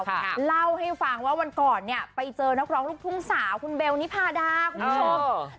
เล่าให้ฟังว่าวันก่อนเนี่ยไปเจอนักร้องลูกทุ่งสาวคุณเบลนิพาดาคุณผู้ชม